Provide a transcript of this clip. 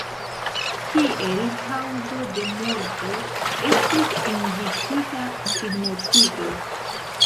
Kiel kaŭzo de morto estis indikita sinmortigo.